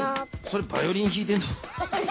それバイオリンひいてんの？